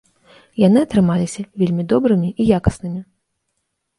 Яны атрымаліся вельмі добрымі і якаснымі.